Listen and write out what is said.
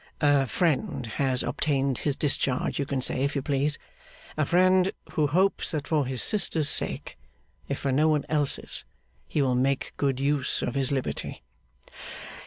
'A Friend has obtained his discharge, you can say if you please. A Friend who hopes that for his sister's sake, if for no one else's, he will make good use of his liberty.